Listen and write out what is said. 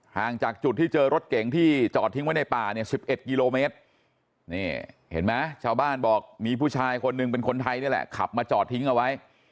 ห่างจากจุดที่เจอรถเก๋งที่จอดทิ้งไว้ในป่าเนี่ย๑๑กิโลเมตรนี่เห็นไหมชาวบ้านบอกมีผู้ชายคนหนึ่งเป็นคนไทยนี่แหละขับมาจอดทิ้งเอาไว้